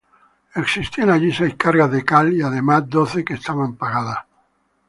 Existían allí seis cargas de cal y además doce que estaban pagadas.